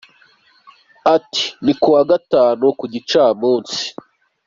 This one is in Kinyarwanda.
Ati “Ni kuwa gatanu ku gicamunsi.